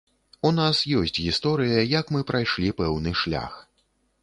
У нас ёсць гісторыя, як мы прайшлі пэўны шлях.